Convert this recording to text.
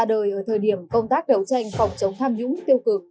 ra đời ở thời điểm công tác đấu tranh phòng chống tham nhũng tiêu cực